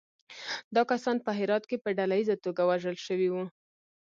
دا کسان په هرات کې په ډلییزه توګه وژل شوي وو.